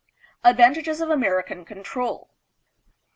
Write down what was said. Advantages of American Control.